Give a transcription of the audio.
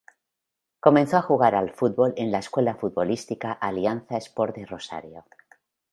Comenzó a jugar al fútbol en la escuela futbolística Alianza Sport de Rosario.